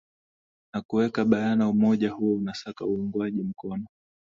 na kuweka bayana umoja huo unasaka uungwaji mkono